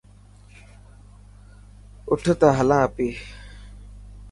اوٺ ته هلان اپي.